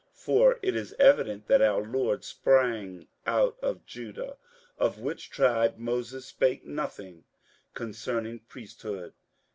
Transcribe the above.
58:007:014 For it is evident that our Lord sprang out of Juda; of which tribe Moses spake nothing concerning priesthood.